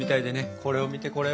これを見てこれを！